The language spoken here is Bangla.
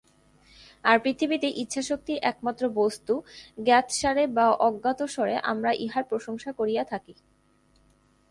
আর পৃথিবীতে ইচ্ছাশক্তিই একমাত্র বস্তু, জ্ঞাতসারে বা অজ্ঞাতসারে আমরা ইহার প্রশংসা করিয়া থাকি।